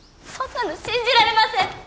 そんなの信じられません！